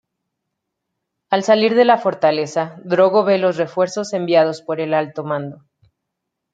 Al salir de la fortaleza, Drogo ve los refuerzos enviados por el Alto Mando.